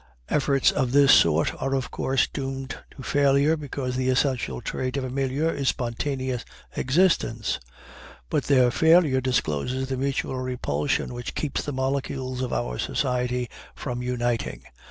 Efforts of this sort are of course doomed to failure, because the essential trait of the milieu is spontaneous existence, but their failure discloses the mutual repulsion which keeps the molecules of our society from uniting.